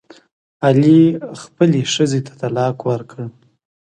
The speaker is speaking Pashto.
علي خپلې ښځې ته طلاق ورکړ.